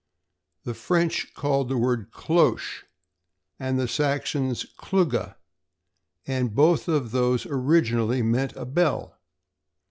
The French called the word cloche and the Saxons clugga, and both of these originally meant a bell.